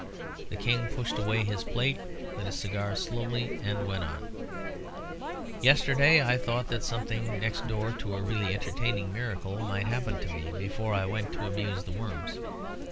The King pushed away his plate, lit a cigar slowly, and went on "Yesterday I thought that something next door to a really entertaining miracle might happen to me before I went to amuse the worms.